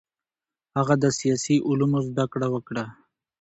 هغه د سیاسي علومو زده کړه وکړه.